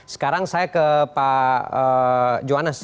sekarang saya ke pak johannes